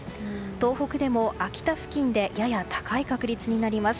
東北でも秋田付近でやや高い確率になります。